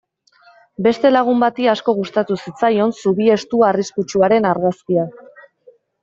Beste lagun bati asko gustatu zitzaion zubi estu arriskutsuaren argazkia.